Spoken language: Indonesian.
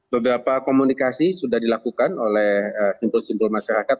beberapa komunikasi sudah dilakukan oleh simbol simbol masyarakat